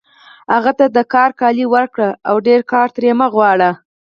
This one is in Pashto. هغه ته د کار کالي ورکړئ او ډېر کار ترې مه غواړئ